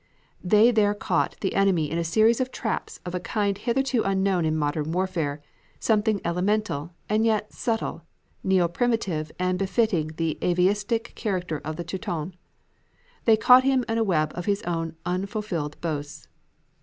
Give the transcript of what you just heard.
They there caught the enemy in a series of traps of a kind hitherto unknown in modern warfare something elemental, and yet subtle, neo primitive, and befitting the atavistic character of the Teuton. They caught him in a web of his own unfulfilled boasts.